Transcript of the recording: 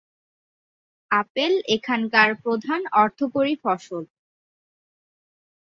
Apple এখানকার প্রধান অর্থকরী ফসল।